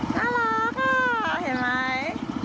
น่ารักอ่ะเห็นไหม